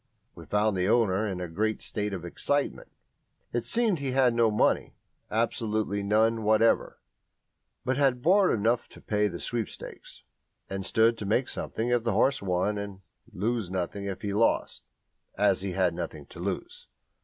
We found the owner in a great state of excitement. It seemed he had no money absolutely none whatever but had borrowed enough to pay the sweepstakes, and stood to make something if the horse won and lose nothing if he lost, as he had nothing to lose.